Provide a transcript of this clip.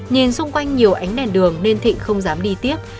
nhìn xung quanh nhiều ánh đèn đường nên thịnh không dám đi tiếp